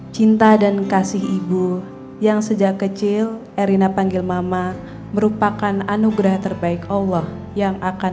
cinta dan kasih ibu yang sejak kecil erina panggil mama merupakan anugerah terbaik allah yang akan